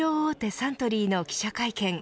サントリーの記者会見。